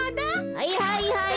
はいはいはい。